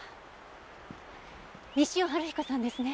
西尾晴彦さんですね？